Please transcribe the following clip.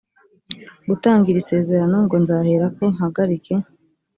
gutanga iri sezerano ngo nzaherako mpagarike